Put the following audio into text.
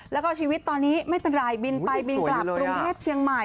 แล้วก็ชีวิตตอนนี้ไม่เป็นไรบินไปบินกลับกรุงเทพเชียงใหม่